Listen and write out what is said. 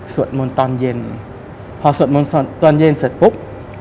สวดม้นตอนเย็นพอสวดม้นตอนเย็นเสร็จปุ๊บ